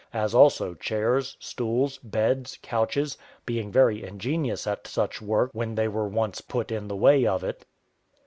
as also chairs, stools, beds, couches, being very ingenious at such work when they were once put in the way of it.